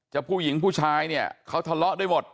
ผู้หญิงผู้ชายเนี่ยเขาทะเลาะด้วยหมด